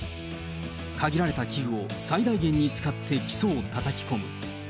限られた器具を最大限に使って基礎をたたき込む。